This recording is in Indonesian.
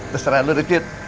terus terang lu be cid